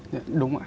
dạ đúng ạ